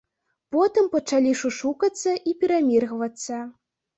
Потым пачалі шушукацца і пераміргвацца.